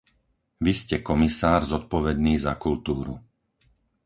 Vy ste komisár zodpovedný za kultúru.